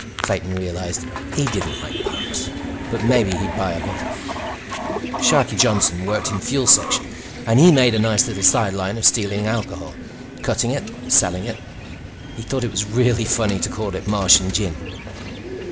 Clayton realized he didn't like Parks. But maybe he'd buy a bottle. Sharkie Johnson worked in Fuels Section, and he made a nice little sideline of stealing alcohol, cutting it, and selling it. He thought it was real funny to call it Martian Gin.